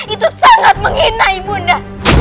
itu sangat menghina ibunda